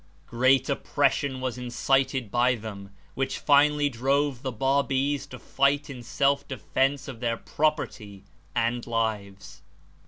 Great oppression was incited by them, which finally drove the Babis to fight in self defense of their property and lives.